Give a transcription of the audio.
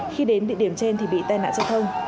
khi đến địa điểm trên thì bị tai nạn giao thông